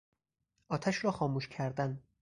آتش را خاموش کردن